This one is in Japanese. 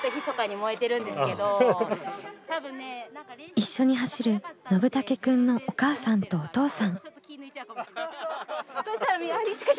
一緒に走るのぶたけくんのお母さんとお父さん。